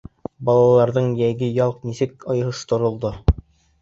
— Балаларҙың йәйге ялы нисек ойошторолдо?